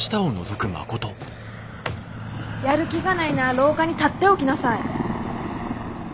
やる気がないなら廊下に立っておきなさい。